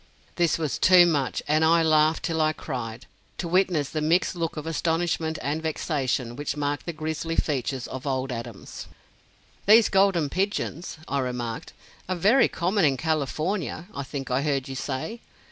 This was too much, and "I laughed till I cried" to witness the mixed look of astonishment and vexation which marked the "grizzly" features of old Adams. "These Golden Pigeons," I remarked, "are very common in California, I think I heard you say?